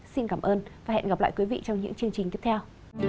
xin cảm ơn và hẹn gặp lại quý vị trong những chương trình tiếp theo